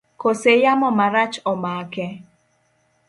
Kose yamo marach omake?